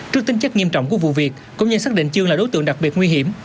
trước tính chất nghiêm trọng của vụ việc cũng như xác định chương là đối tượng đặc biệt nguy hiểm